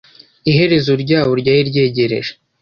Iherezo ryabyo ryari ryegereje.